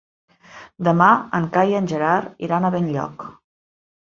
Demà en Cai i en Gerard iran a Benlloc.